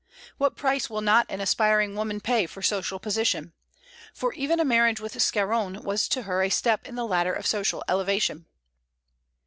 What price will not an aspiring woman pay for social position! for even a marriage with Scarron was to her a step in the ladder of social elevation.